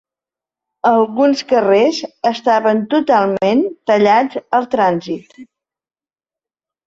Algunes carrers estaven totalment tallats al trànsit.